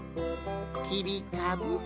きりかぶ。